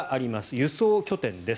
輸送拠点です。